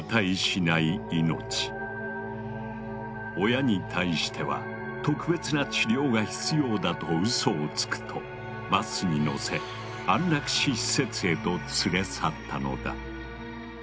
親に対しては特別な治療が必要だとうそをつくとバスに乗せ安楽死施設へと連れ去ったのだ。